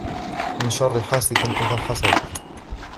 وَمِنْ شَرِّ حَاسِدٍ إِذَا حَسَدَ